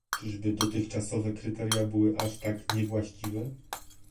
Czyżby dotychczasowe kryteria były aż tak niewłaściwe?